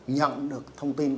nhận được thông tin